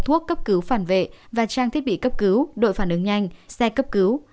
thuốc cấp cứu phản vệ và trang thiết bị cấp cứu đội phản ứng nhanh xe cấp cứu